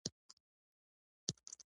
فکر نه کوم، چې جبار خان دې سرطان و.